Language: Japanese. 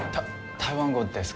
台湾語ですか？